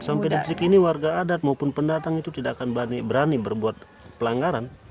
sampai detik ini warga adat maupun pendatang itu tidak akan berani berbuat pelanggaran